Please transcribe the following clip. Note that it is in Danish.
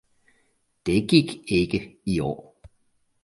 Det gik ikke i år!